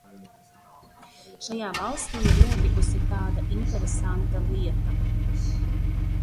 Šajā valstī ir notikusi tāda interesanta lieta.